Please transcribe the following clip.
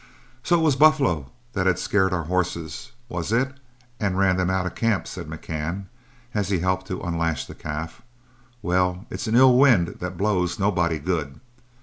"So it was buffalo that scared our horses, was it, and ran them out of camp?" said McCann, as he helped to unlash the calf. "Well, it's an ill wind that blows nobody good."